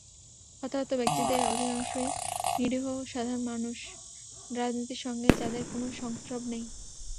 হতাহত ব্যক্তিদের অধিকাংশই নিরীহ সাধারণ মানুষ, রাজনীতির সঙ্গে যাঁদের কোনো সংস্রব নেই।